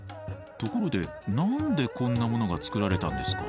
ところで何でこんなものが作られたんですか？